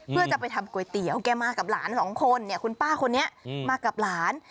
เพื่อจะไปทำก๋วยเตี๋ยวแกมากับหลานสองคนเนี่ยคุณป้าคนนี้มากับหลาน